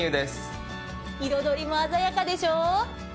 彩りも鮮やかでしょ？